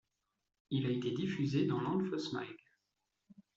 Il a été diffusé dans Lanfeust Mag.